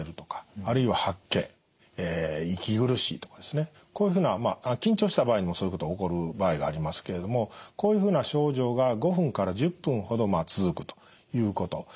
そういう時にこういうふうなまあ緊張した場合にもそういうことが起こる場合がありますけれどもこういうふうな症状が５分から１０分ほど続くということ。